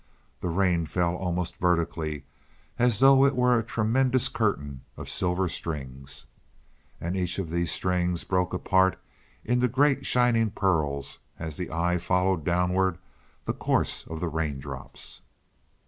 The rain fell almost vertically, as though it were a tremendous curtain of silver strings. And each of these strings broke apart into great shining pearls as the eye followed downward the course of the raindrops.